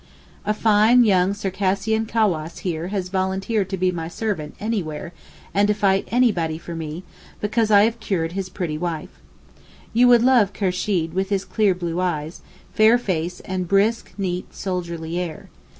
A fine young Circassian cawass here has volunteered to be my servant anywhere and to fight anybody for me because I have cured his pretty wife. You would love Kursheed with his clear blue eyes, fair face and brisk neat soldierly air.